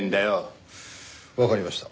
わかりました。